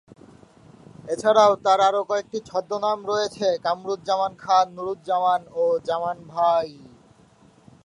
এছাড়াও তার আরো কয়েকটি ছদ্মনাম রয়েছে, কামরুজ্জামান খান, নুরুজ্জামান ও জামান ভাই।